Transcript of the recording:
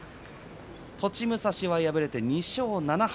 栃武蔵は敗れて２勝７敗